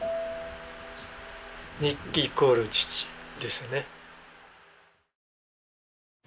日記イコール父ですね。